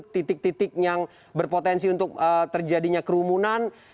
titik titik yang berpotensi untuk terjadinya kerumunan